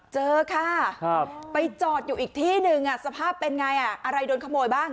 เจอค่ะไปจอดอยู่อีกที่หนึ่งสภาพเป็นไงอะไรโดนขโมยบ้าง